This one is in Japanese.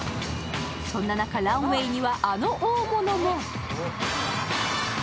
そんな中、ランウェイにはあの大物も。